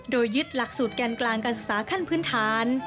โดยยึดหลักสูตรแกนกลางการศึกษาขั้นพื้นฐาน